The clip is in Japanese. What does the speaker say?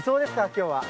今日は。